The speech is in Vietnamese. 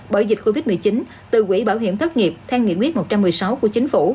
bởi dịch covid một mươi chín từ quỹ bảo hiểm thất nghiệp theo nghị quyết một trăm một mươi sáu của chính phủ